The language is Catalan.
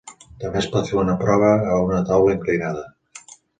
També es pot fer una prova a una taula inclinada.